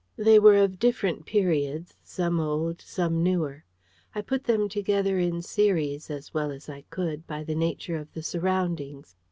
They were of different periods, some old, some newer. I put them together in series, as well as I could, by the nature of the surroundings.